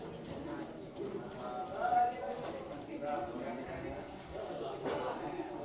ini p january